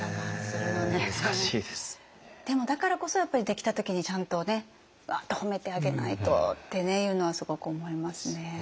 でもだからこそやっぱりできた時にちゃんとねわっと褒めてあげないとっていうのはすごく思いますね。